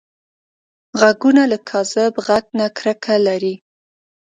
غوږونه له کاذب غږ نه کرکه لري